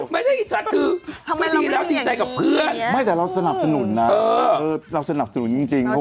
ไม่ใช่หิตสาคือดูแลติดใจกับเพื่อนไม่แต่เราสนับสนุนนะอ่ะเราสนับสนุนจริงก็ว่า